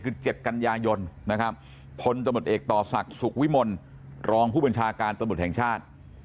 คือ๗กันยายนนะครับพลตำรวจเอกต่อศักดิ์สุขวิมลรองผู้บัญชาการตำรวจแห่งชาติ